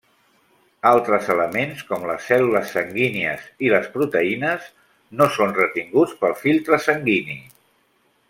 Altres elements com les cèl·lules sanguínies i les proteïnes no són retinguts pel filtre sanguini.